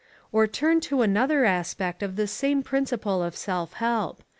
Or turn to another aspect of this same principle of self help.